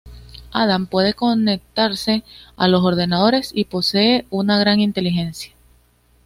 Adam puede conectarse a los ordenadores y posee una gran inteligencia.